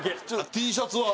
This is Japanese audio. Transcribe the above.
Ｔシャツは？